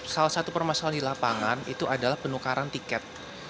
salah satu permasalahan di lapangan itu adalah penukaran tiket